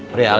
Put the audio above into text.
udah ya al